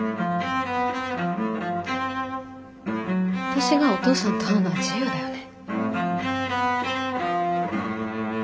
私がお父さんと会うのは自由だよね。